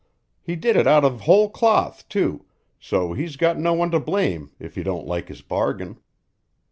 He did it out of whole cloth, too, so he's got no one to blame if he don't like his bargain.